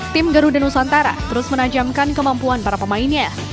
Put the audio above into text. tim garuda nusantara terus menajamkan kemampuan para pemainnya